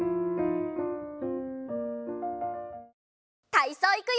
たいそういくよ！